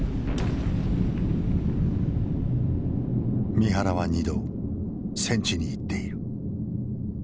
三原は２度戦地に行っている。